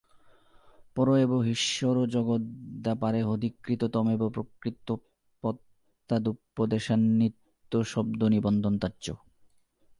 পর এব হীশ্বরো জগদ্ব্যাপারেহধিকৃত তমেব প্রকৃত্যোৎপত্ত্যাদ্যুপদেশান্নিত্যশব্দনিবন্ধনত্বাচ্চ।